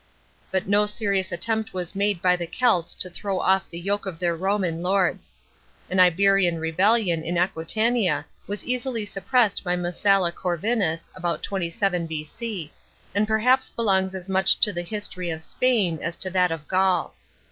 But no serious attempt was made by the Celts to throw off the yoke of their Roman lords. An Iberian rebellion in Aquitania was easily suppressed by Messalla Corvinus (about 27 B.C.), and perhaps belongs as much to the history of Spain as to that of Gaul.